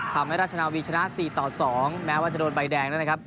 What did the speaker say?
ทำให้ราชนาวีชนะสี่ต่อสองแม้ว่าจะโดนใบแดงแล้วนะครับ